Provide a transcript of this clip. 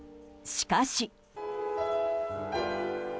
しかし。